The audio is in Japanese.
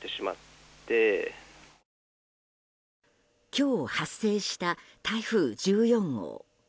今日、発生した台風１４号。